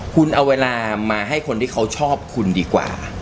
คุณเอาเวลามาให้คนที่เขาชอบคุณดีกว่า